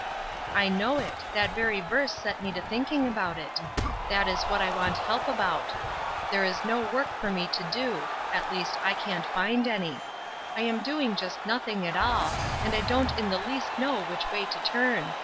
'" "I know it; that very verse set me to thinking about it. That is what I want help about. There is no work for me to do; at least, I can't find any. I am doing just nothing at all, and I don't in the least know which way to turn.